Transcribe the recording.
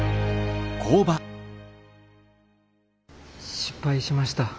失敗しました。